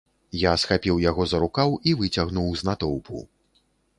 Я схапіў яго за рукаў і выцягнуў з натоўпу.